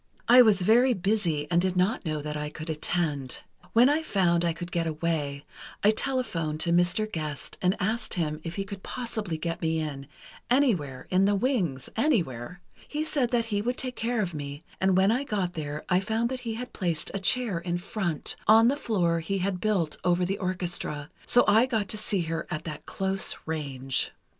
"I was very busy, and did not know that I could attend. When I found I could get away, I telephoned to Mr. Gest and asked him if he could possibly get me in, anywhere—in the wings—anywhere. He said that he would take care of me, and when I got there I found that he had placed a chair in front, on the floor he had built over the orchestra, so I got to see her at that close range.